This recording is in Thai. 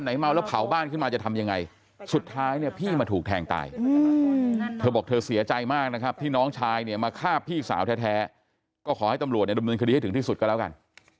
ให้ตำรวจเนี่ยดำเนินคดีให้ถึงที่สุดก็แล้วกัน